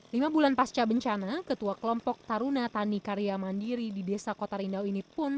lima bulan pasca bencana ketua kelompok taruna tani karya mandiri di desa kota rindau ini pun